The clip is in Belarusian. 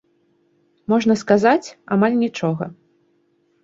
Можна сказаць, амаль нічога.